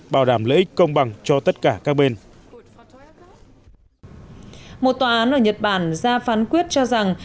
bảo đảm lợi ích công bằng cho tất cả các bên tòa án ở nhật bản ra phán quyết cho rằng